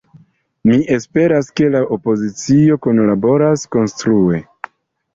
Mi esperas, ke la opozicio kunlaboros konstrue.